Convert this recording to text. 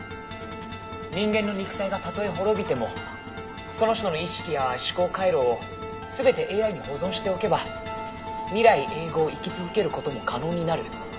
「人間の肉体がたとえ滅びてもその人の意識や思考回路を全てＡＩに保存しておけば未来永劫生き続ける事も可能になる」